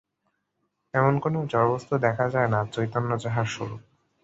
এমন কোন জড়বস্তু দেখা যায় না, চৈতন্য যাহার স্বরূপ।